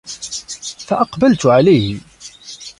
فَأَقْبَلْتُ عَلَيْهِ